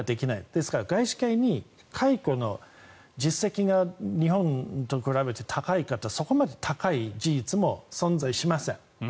ですから外資系に解雇の実績が日本と比べて高いかというとそこまで高い事実も存在しません。